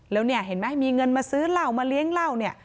แล้วเนี่ยเห็นไหมมีเงินมาซื้อเหล้ามาเลี้ยงเหล้าเนี่ย